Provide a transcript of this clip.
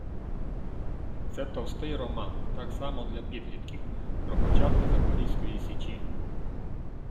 Це товстий роман, так само для підлітків, про початки Запорізької січі.